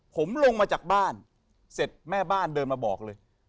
ผมลงมาจากบ้านเสร็จแม่บ้านเดินมาบอกเลย